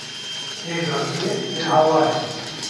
Ne gazî ye ne hawar e